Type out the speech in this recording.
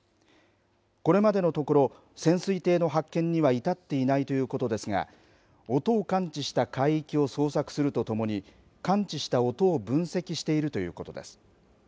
これまでのところ、潜水艇の発見には至っていないということですが、音を感知した海域を捜索するとともに、感知した音を分析しているということです。